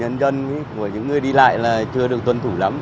cái việc mà chọc thanh của nhân dân của những người đi lại là chưa được tuân thủ lắm